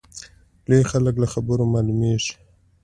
لوی خلک له خبرو معلومیږي.